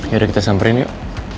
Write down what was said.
yaudah kita samperin yuk